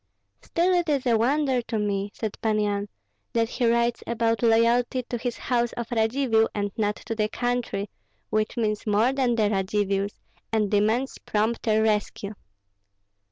"Still it is a wonder to me," said Pan Yan, "that he writes about loyalty to the house of Radzivill, and not to the country, which means more than the Radzivills, and demands prompter rescue."